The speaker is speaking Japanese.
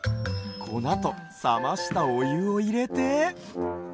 こなとさましたおゆをいれて。